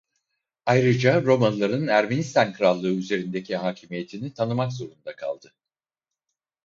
Ayrıca Romalılar'ın Ermenistan Krallığı üzerindeki hakimiyetini tanımak zorunda kaldı.